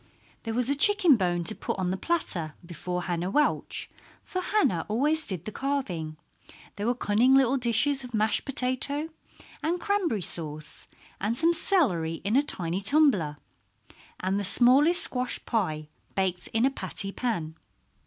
There was a chicken bone to put on the platter before Hannah Welch, for Hannah always did the carving. There were cunning little dishes of mashed potato and cranberry sauce, and some celery in a tiny tumbler, and the smallest squash pie baked in a patty pan.